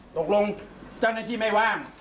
ตกลงเจ้าหน้าทีไม่ว่าง